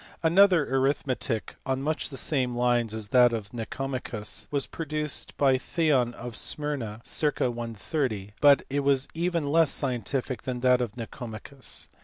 Another arithmetic on much the same lines as that of Nicomachus was produced by Theon of Smyrna , circ. 130; but it was even less scientific than that of Nicomachus.